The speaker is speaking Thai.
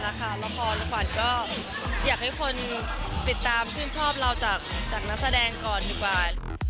ละครขวัญก็อยากให้คนติดตามชื่นชอบเราจากนักแสดงก่อนดีกว่า